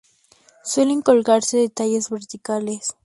Suelen colgarse de tallos verticales.